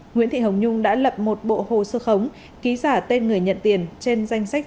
nguyễn thị hồng nhung đã lập một bộ hồ sơ khống ký giả tên người nhận tiền trên danh sách